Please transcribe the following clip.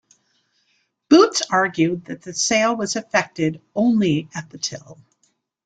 Boots argued that the sale was effected only at the till.